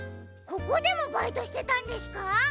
ここでもバイトしてたんですか？